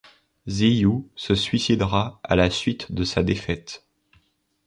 Ziyu se suicidera à la suite de sa défaite.